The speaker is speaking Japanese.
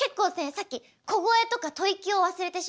さっき小声とか吐息を忘れてしまった方